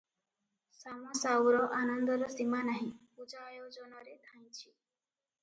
ଶାମ ସାଉର ଆନନ୍ଦର ସୀମା ନାହିଁ, ପୂଜା ଆୟୋଜନରେ ଧାଇଁଛି ।